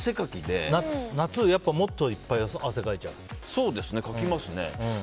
夏、もっといっぱいそうですね、かきますね。